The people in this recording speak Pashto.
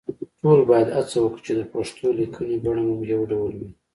ټول باید هڅه وکړو چې د پښتو لیکنې بڼه مو يو ډول وي